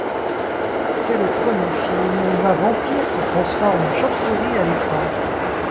C'est le premier film où un vampire se transforme en chauve-souris à l'écran.